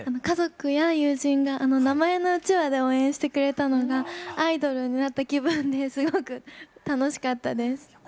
家族や友人が名前のうちわで応援してくれたのがアイドルになった気分ですごく楽しかったです。